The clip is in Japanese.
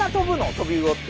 トビウオって。